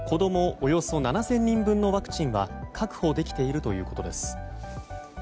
およそ７０００人分のワクチンは確保できているということです。